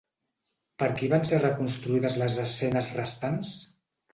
Per qui van ser reconstruïdes les escenes restants?